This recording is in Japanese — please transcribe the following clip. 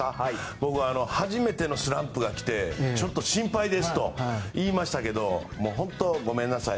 僕は初めてのスランプがきてちょっと心配ですと言いましたけど本当、ごめんなさい。